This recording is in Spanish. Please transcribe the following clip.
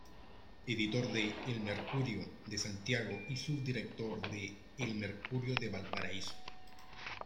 Editor de "El Mercurio" de Santiago y subdirector de "El Mercurio de Valparaíso".